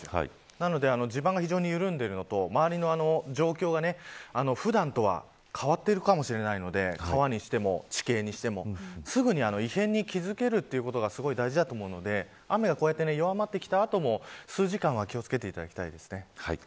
なので地盤が非常に緩んでいるのと周りの状況が普段とは変わっているかもしれないので川にしても、地形にしてもすぐに異変に気付けるということが大事だと思うので雨が弱まってきた後も数時間は気を付けていただきたいです。